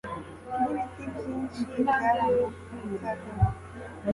n'ibiti byinshi byaramutsaga